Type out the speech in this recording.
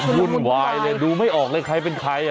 วุ่นวายเลยดูไม่ออกเลยใครเป็นใคร